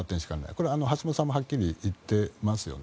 これは橋本さんもはっきり言っていますよね。